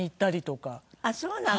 あっそうなの。